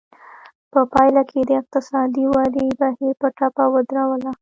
په پایله کې د اقتصادي ودې بهیر په ټپه ودراوه.